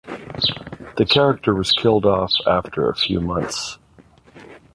The character was killed off after a few months.